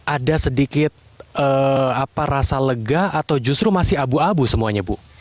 ada sedikit rasa lega atau justru masih abu abu semuanya bu